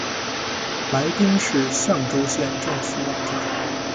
来宾市象州县政府网站